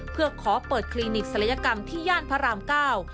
เพื่อขอเปิดคลินิกศัลยกรรมที่ย่านพระรามเก้า